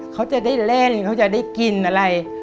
เขาจะได้เล่นเขาจะได้กินอะไร